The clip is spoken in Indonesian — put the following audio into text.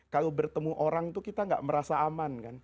kalau bertemu orang itu kita gak merasa aman kan